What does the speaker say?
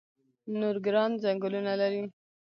نورګرام ځنګلونه لري؟